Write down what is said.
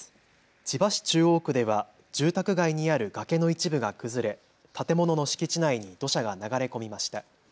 千葉市中央区では住宅街にある崖の一部が崩れ建物の敷地内に土砂が流れ込みました。